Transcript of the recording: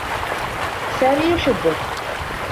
سامي يحبّك.